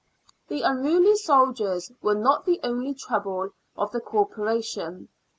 The unruly soldiery were not the only trouble of the Corporation.